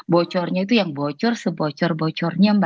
bocornya itu yang bocor sebocor bocornya mbak